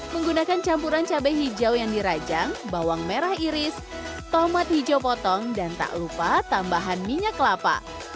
menggunakan campuran cabai hijau yang dirajang bawang merah iris tomat hijau potong dan tak lupa tambahan minyak kelapa